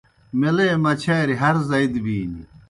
میلے مچھاری ہر زائی دہ بِینیْ